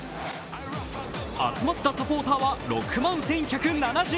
集まったサポーターは６万１１７５人。